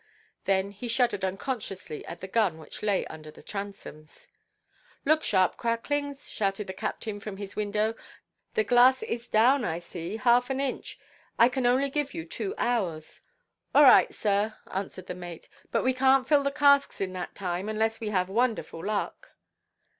Then he shuddered unconsciously at the gun which lay under the transoms. "Look sharp, Cracklins," shouted the captain from his window; "the glass is down, I see, half an inch. I can only give you two hours." "All right, sir," answered the mate; "but we canʼt fill the casks in that time, unless we have wonderful luck."